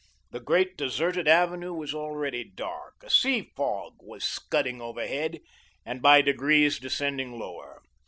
The great deserted avenue was already dark. A sea fog was scudding overhead, and by degrees descending lower.